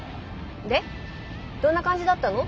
でどんな感じだったの？